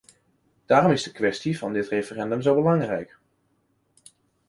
Daarom is de kwestie van dit referendum zo belangrijk.